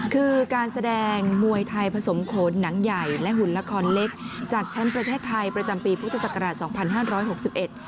คือการแสดงมวยไทยผสมโขนหนังใหญ่และหุ่นละครเล็กจากแชมป์ประเทศไทยประจำปีพุทธศักราชสองพันห้าร้อยหกสิบเอ็ด